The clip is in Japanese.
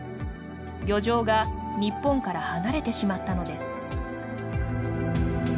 漁場が日本から離れてしまったのです。